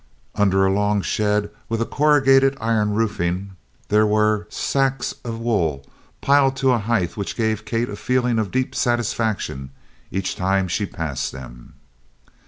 Under a long shed with a corrugated iron roofing there were sacks of wool piled to a height which gave Kate a feeling of deep satisfaction each time she passed them.